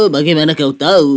bagaimana kau tahu